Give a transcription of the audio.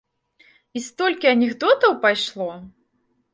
І столькі анекдотаў пайшло!